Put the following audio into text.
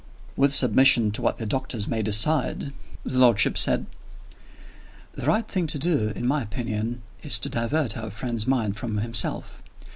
"With submission to what the doctors may decide," his lordship said, "the right thing to do, in my opinion, is to divert our friend's mind from himself.